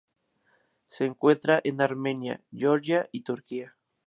Se encuentra en Armenia, Georgia, y Turquía.